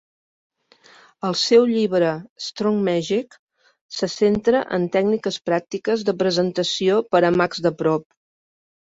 El seu llibre "Strong Magic" se centra en tècniques pràctiques de presentació per a mags de prop.